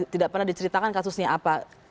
tidak pernah diceritakan kasusnya apa